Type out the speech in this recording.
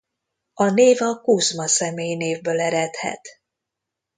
A név a Kuzma személynévből eredhet.